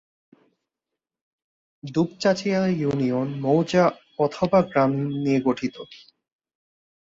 Dupchanchia union মৌজা/গ্রাম নিয়ে গঠিত।